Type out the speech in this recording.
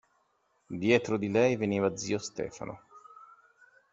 Dietro di lei veniva zio Stefano.